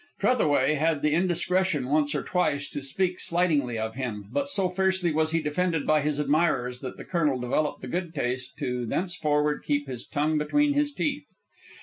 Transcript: Trethaway had the indiscretion, once or twice, to speak slightingly of him, but so fiercely was he defended by his admirers that the colonel developed the good taste to thenceforward keep his tongue between his teeth.